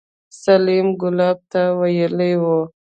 سليم ګلاب ته ويلي وو.